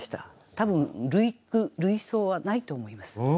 多分類句類想はないと思います。